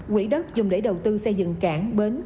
quỹ đất dùng để đầu tư xây dựng cảng bến